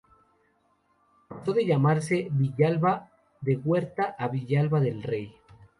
Pasó de llamarse de Villalba de Huete a Villalba del Rey.